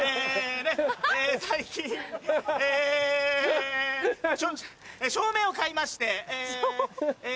最近え照明を買いましてえ